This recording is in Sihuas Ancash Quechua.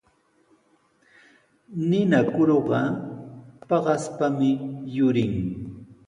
Ninakuruqa paqaspami yurin.